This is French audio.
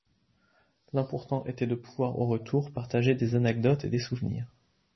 L'important était de pouvoir au retour partager des anecdotes et des souvenirs.